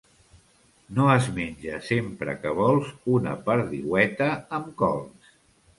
No es menja sempre que vols una perdiueta amb cols.